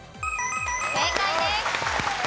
正解です。